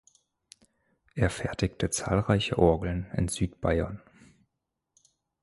Er fertigte zahlreiche Orgeln in Südbayern.